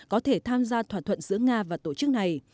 có thể tham gia thỏa thuận giữa nga và tổ chức này